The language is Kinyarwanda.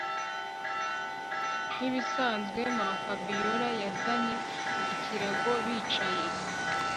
Nkibisanzwe MamaFabiora yazanye ikirago bicaye